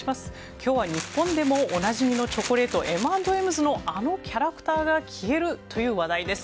今日は日本でもおなじみのチョコレートＭ＆Ｍ’ｓのあのキャラクターが消える？という話題です。